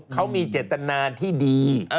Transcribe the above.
เขามีเจตนาที่ดี